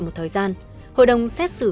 một thời gian hội đồng xét xử